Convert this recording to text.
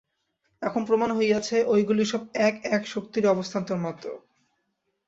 এখন প্রমাণ হইয়াছে, ঐগুলি সব এক, এক শক্তিরই অবস্থান্তর মাত্র।